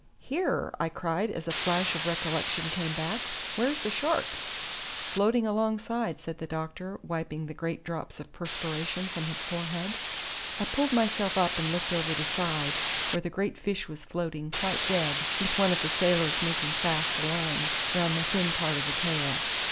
Here!" I cried as a flash of recollection came back, "where's the shark?" "Floating alongside," said the doctor, wiping the great drops of perspiration from his forehead. I pulled myself up and looked over the side, where the great fish was floating quite dead, with one of the sailors making fast a line round the thin part of the tail.